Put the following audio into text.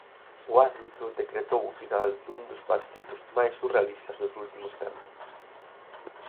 O árbitro decretou o final dun dos partidos máis surrealistas dos últimos tempos.